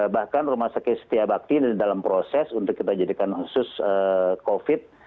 bahkan rumah sakit setia bakti dalam proses untuk kita jadikan khusus covid